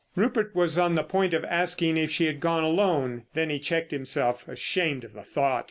Rupert was on the point of asking if she had gone alone, then he checked himself, ashamed of the thought.